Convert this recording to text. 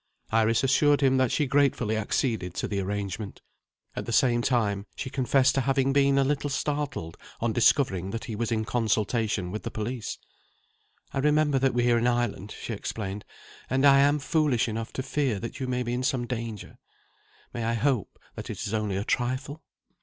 Iris assured him that she gratefully acceded to the arrangement. At the same time, she confessed to having been a little startled, on discovering that he was in consultation with the police. "I remember that we are in Ireland," she explained, "and I am foolish enough to fear that you may be in some danger. May I hope that it is only a trifle?"